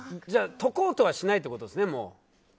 じゃあ解こうとはしないってことですね、もう。